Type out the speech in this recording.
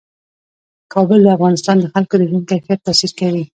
کابل د افغانستان د خلکو د ژوند کیفیت تاثیر کوي.